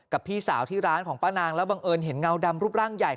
พี่สาวที่ร้านของป้านางแล้วบังเอิญเห็นเงาดำรูปร่างใหญ่